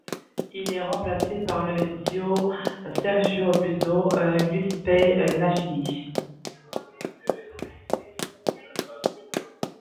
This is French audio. Il est remplacé par le duo Sergio Buso - Giuseppe Iachini.